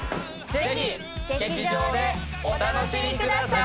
ぜひ劇場でお楽しみください！